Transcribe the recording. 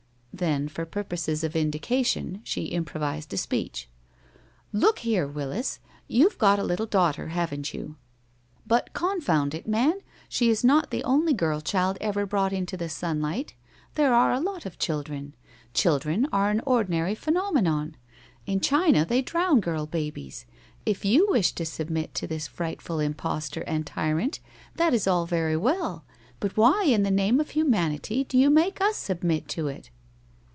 Then, for purposes of indication, she improvised a speech: "Look here, Willis, you've got a little daughter, haven't you? But, confound it, man, she is not the only girl child ever brought into the sunlight. There are a lot of children. Children are an ordinary phenomenon. In China they drown girl babies. If you wish to submit to this frightful impostor and tyrant, that is all very well, but why in the name of humanity do you make us submit to it?"